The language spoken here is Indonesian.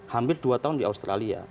hampir dua tahun di australia